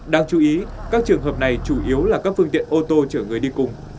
đáng chú ý các trường hợp này chủ yếu là các phương tiện ô tô chở người đi cùng